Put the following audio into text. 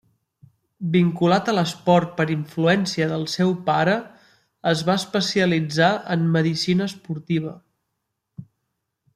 Vinculat a l'esport per influència del seu pare, es va especialitzar en medicina esportiva.